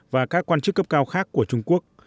và các quan chức cấp cao khác của trung quốc